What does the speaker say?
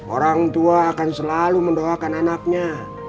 orang tua akan selalu mendoakan anaknya